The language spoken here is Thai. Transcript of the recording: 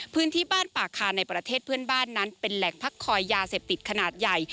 พื้นที่บ้านป่าคาในประเทศเพื่อนบ้านนั้นเป็นแหล่งพักคอยยาเสพติดขนาดใหญ่